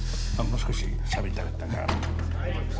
もう少ししゃべりたかったんだ。